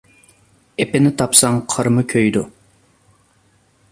ئېپىنى تاپساڭ قارمۇ كۆيىدۇ.